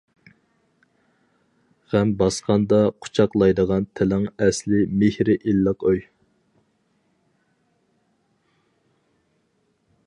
غەم باسقاندا قۇچاقلايدىغان، تىلىڭ ئەسلى مېھرى ئىللىق ئۆي.